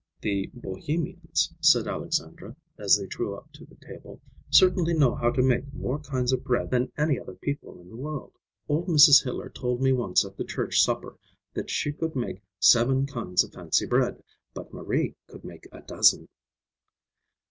"The Bohemians," said Alexandra, as they drew up to the table, "certainly know how to make more kinds of bread than any other people in the world. Old Mrs. Hiller told me once at the church supper that she could make seven kinds of fancy bread, but Marie could make a dozen."